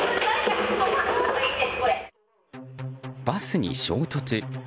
バスに衝突。